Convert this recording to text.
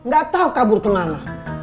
gak tau kabur kemana